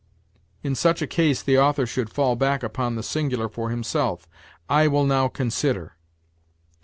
In such a case the author should fall back upon the singular for himself 'I will now consider